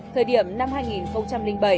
thời điểm năm hai nghìn bảy